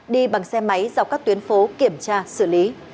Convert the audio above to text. đi bằng xe máy dọc các tuyến phố kiểm tra xử lý